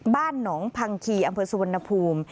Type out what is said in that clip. บ้านหนองพังคีอำเภอสุวรรณภูมิ